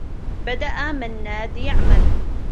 بدأ منّاد يعمل.